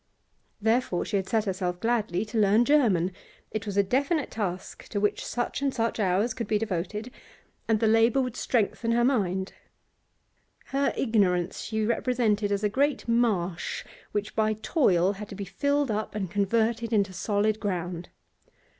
Therefore she had set herself gladly to learn German; it was a definite task to which such and such hours could be devoted, and the labour would strengthen her mini Her ignorance she represented as a great marsh which by toil had to be filled up and converted into solid ground.